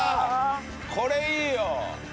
これいいよ。